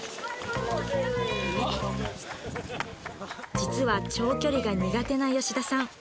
実は長距離が苦手な吉田さん